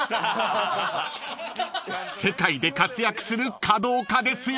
［世界で活躍する華道家ですよ］